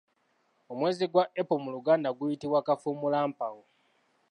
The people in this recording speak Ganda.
Omwezi gwa April mu luganda guyitibwa Kafuumuulampawu.